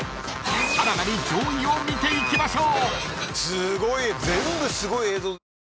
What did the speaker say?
［さらなる上位を見ていきましょう］